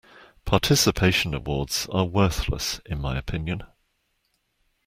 Participation awards are worthless in my opinion.